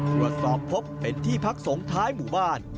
เพื่อสอบพบเป็นที่พักสงท้ายหมู่บ้าน